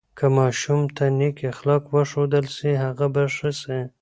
که ماشوم ته نیک اخلاق وښودل سي، هغه به ښه سي.